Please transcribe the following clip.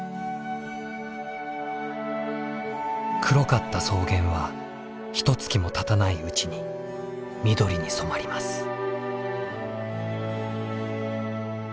黒かった草原はひとつきもたたないうちに緑に染まります。